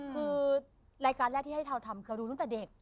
คือรายการแรกที่ให้เทาทำคือดูตั้งแต่เด็ก